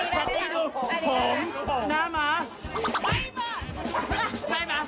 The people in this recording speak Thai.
เราไม่รู้หรอกว่าผมก็ไม่ตัดผมด้วย